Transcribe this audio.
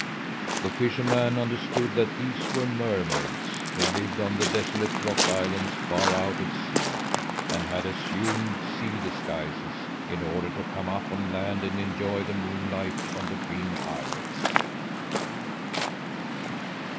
The fisherman understood that these were mermaids who lived on desolate rock islands far out at sea and had assumed seal disguises in order to come up on land and enjoy the moonlight on the green islets.